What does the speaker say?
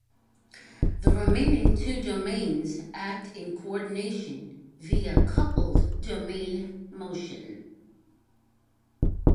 The remaining two domains act in coordination, via coupled domain motion.